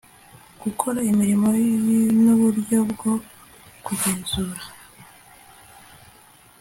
gukora imirimo n uburyo bwo kugenzura